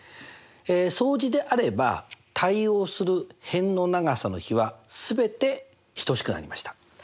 相似であれば対応する辺の長さの比は全て等しくなりました。